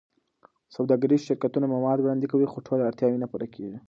سوداګریز شرکتونه مواد وړاندې کوي، خو ټول اړتیاوې نه پوره کېږي.